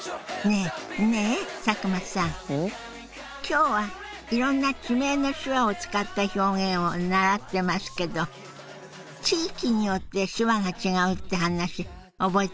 今日はいろんな地名の手話を使った表現を習ってますけど地域によって手話が違うって話覚えてます？